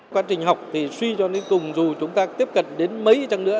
quá trình học thì suy cho đến cùng dù chúng ta tiếp cận đến mấy chẳng nữa